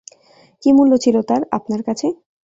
কী মূল্য ছিল তার, আপনার কাছে?